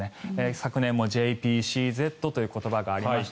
昨年もＪＰＣＺという言葉がありました。